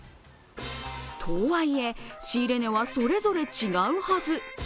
とはいえ、仕入れ値はそれぞれ違うはず。